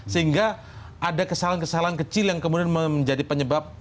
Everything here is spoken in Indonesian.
sehingga ada kesalahan kesalahan kecil yang kemudian menjadi penyebab